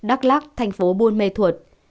đắk lắc thành phố buôn mê thuột